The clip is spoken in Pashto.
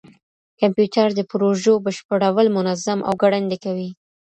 کمپيوټر د پروژو بشپړول منظم او ګړندي کوي.